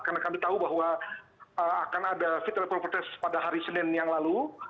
karena kami tahu bahwa akan ada fitra propertes pada hari senin yang lalu